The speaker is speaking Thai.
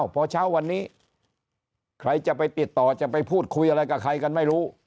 พอเช้าวันนี้ใครจะไปติดต่อจะไปพูดคุยอะไรกับใครกันไม่รู้